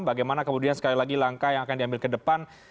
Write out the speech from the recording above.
bagaimana kemudian sekali lagi langkah yang akan diambil ke depan